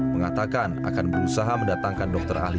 mengatakan akan berusaha mendatangkan dokter ahli